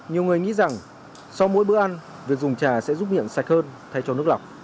nhiều người nghĩ rằng sau mỗi bữa ăn việc dùng trà sẽ giúp hiện sạch hơn thay cho nước lọc